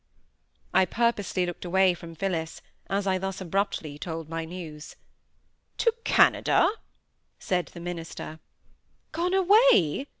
I purposely looked away from Phillis, as I thus abruptly told my news. "To Canada!" said the minister. "Gone away!"